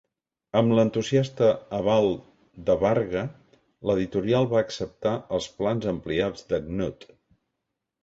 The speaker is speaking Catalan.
Amb l'entusiasta aval de Varga, l'editorial va acceptar els plans ampliats de Knuth.